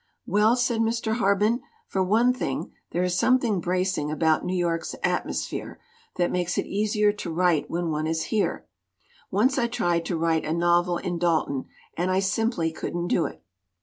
"Well," said Mr. Harben, "for one thing there is something bracing about New York's atmos phere that makes it easier to write when one is here. Once I tried to write a novel in Dalton, and I simply couldn't do it.